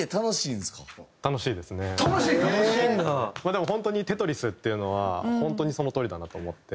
でも本当に『テトリス』っていうのは本当にそのとおりだなと思って。